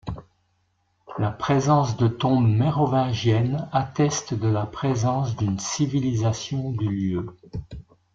La présence de tombes mérovingiennes atteste de la présence d'une civilisation du lieu.